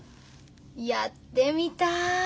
やってみたい。